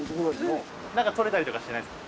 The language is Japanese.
何かとれたりとかしてないっすか？